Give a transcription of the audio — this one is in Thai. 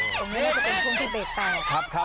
ตรงนี้น่าจะเป็นช่วงที่เบรกแตกครับ